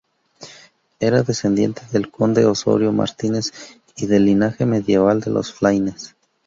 Era descendiente del conde Osorio Martínez y del linaje medieval de los Flaínez.